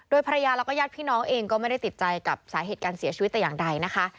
โดยภรรยาและยาดพี่น้องเองก็ไม่ได้ติดใจกับสาเหตุการณ์เสียชีวิตอย่างใดนะคะ